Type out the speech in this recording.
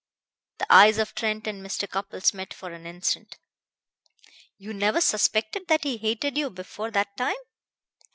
The eyes of Trent and Mr. Cupples met for an instant. "You never suspected that he hated you before that time?"